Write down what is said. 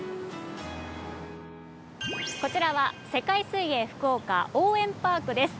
こちらは世界水泳福岡応援パークです。